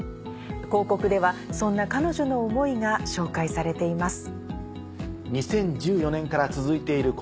広告ではそんな彼女の思いが紹介されています。